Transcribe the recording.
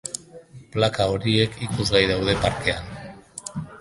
Plaka horiek ikusgai daude parkean.